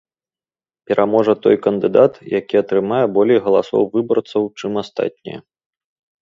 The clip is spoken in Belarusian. Пераможа той кандыдат, які атрымае болей галасоў выбарцаў, чым астатнія.